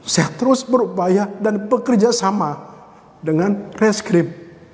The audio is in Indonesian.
saya terus berupaya dan bekerja sama dengan reskrip